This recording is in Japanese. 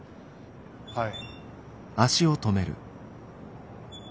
はい。